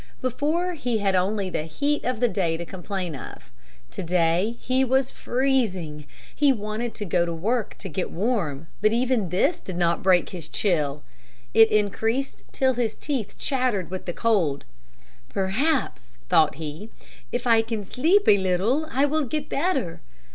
Before he had only the heat of the day to complain of. To day he was freezing. He wanted to go to work to get warm, but even this did not break his chill. It increased till his teeth chattered with the cold. "Perhaps," thought he, "if I can sleep a little I will get better."